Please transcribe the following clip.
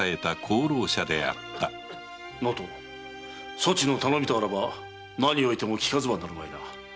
そちの頼みとあらば何をおいてもきかずばなるまい。